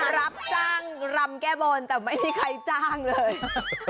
รับจ้างรำแก้บนแต่ไม่มีใครจ้างเลย